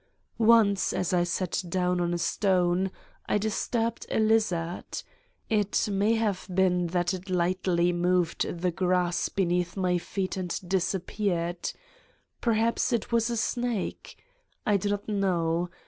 Once, as I sat down on a stone, I disturbed a lizzard. It may have been that it lightly moved the grass beneath my feet and disappeared. Per haps it was a snake? I do not know.